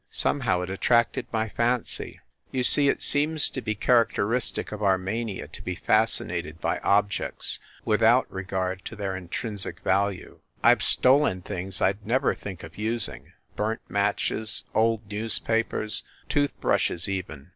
Some how it attracted my fancy. You see, it seems to be THE SUITE AT THE PLAZA 129 characteristic of our mania to be fascinated by ob jects without regard to their intrinsic value. I ve stolen things I d never think of using burnt matches, old newspapers, tooth brushes, even.